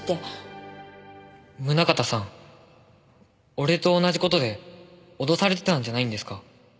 俺と同じ事で脅されてたんじゃないんですか？